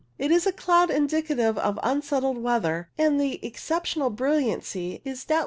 It is a cloud indicative of unsettled weather, and the exceptional brilliancy is doubtless 3 o 6 a.